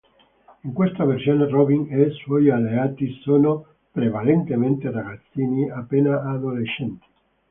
In questa versione Robin e suoi alleati sono prevalentemente ragazzini appena adolescenti.